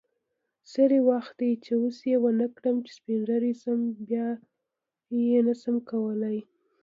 سری وخت دی چی اوس یی ونکړم چی سپین ږیری شم بیا نشم کولی